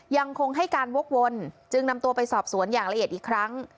ยังคงให้การวกวนจึงนำตัวไปสอบสวนอย่างละเอียดอีกครั้ง